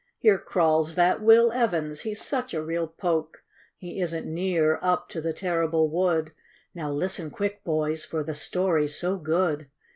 Here crawls that Will Evans — he's such a real poke ! He isn't near up to the terrible wood; How, listen, quick, hoys, for the story's so good